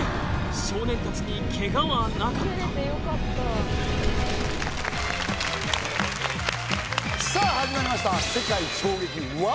少年たちにケガはなかったさぁ始まりました。